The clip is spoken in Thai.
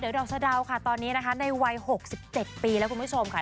เดี๋ยวดอกสะดาวค่ะตอนนี้นะคะในวัย๖๗ปีแล้วคุณผู้ชมค่ะ